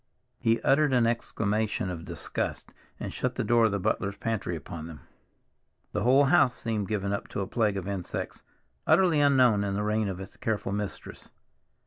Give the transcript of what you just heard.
He uttered an exclamation of disgust, and shut the door of the butler's pantry upon them. The whole house seemed given up to a plague of insects, utterly unknown in the reign of its careful mistress.